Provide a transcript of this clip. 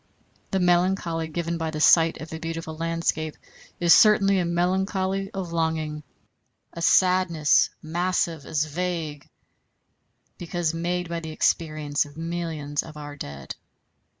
The melancholy given by the sight of a beautiful landscape is certainly a melancholy of longing, a sadness massive as vague, because made by the experience of millions of our dead.